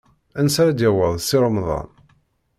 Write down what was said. Ansa ara d-yaweḍ Si Remḍan?